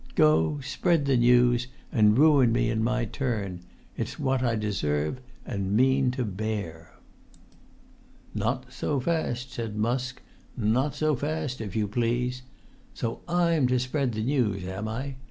Go, spread the news, and ruin me in my turn; it's what I deserve, and mean to bear." "Not so fast," said Musk—"not so fast, if you please. So I'm to spread the news, am I?